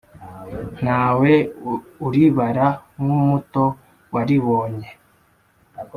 Ntawe uribara nk’umuto waribonye.